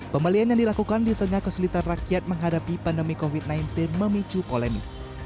pembelian yang dilakukan di tengah kesulitan rakyat menghadapi pandemi covid sembilan belas memicu polemik